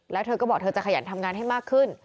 แล้วเธอก็บอกเธอจะขยันทำงานให้มากขึ้น